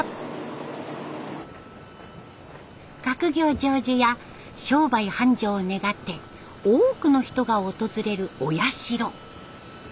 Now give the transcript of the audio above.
学業成就や商売繁盛を願って多くの人が訪れるお社。